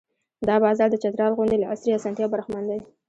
دا بازار د چترال غوندې له عصري اسانتیاوو برخمن دی.